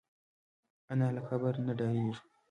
انا له قبر نه ډارېږي